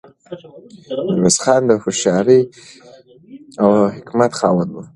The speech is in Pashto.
میرویس خان د هوښیارۍ او حکمت خاوند و.